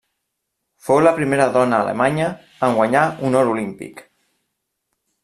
Fou la primera dona alemanya en guanyar un or olímpic.